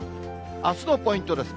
あすのポイントです。